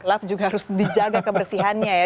lab juga harus dijaga kebersihannya ya